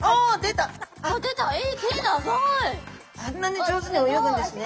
あんなに上手に泳ぐんですね。